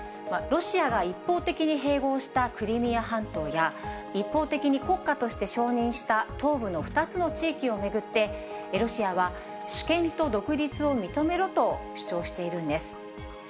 ロシアが一方的に併合したクリミア半島や、一方的に国家として承認した東部の２つの地域を巡って、ロシアは主権と独立を認めろと主張しているんです。